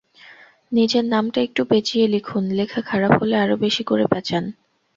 নিজের নামটা একটু পেঁচিয়ে লিখুন, লেখা খারাপ হলে আরও বেশি করে প্যাঁচান।